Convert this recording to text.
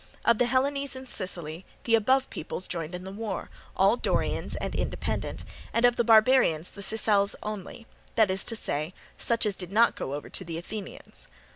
Of the Hellenes in Sicily the above peoples joined in the war, all Dorians and independent, and of the barbarians the Sicels only, that is to say, such as did not go over to the Athenians.